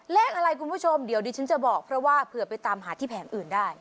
เลขอะไรคุณผู้ชมเดี๋ยวดิฉันจะบอกเพราะว่าเผื่อไปตามหาที่แผงอื่นได้